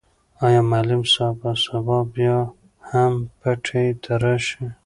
آیا معلم صاحب به سبا بیا هم پټي ته راشي؟